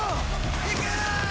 いけ！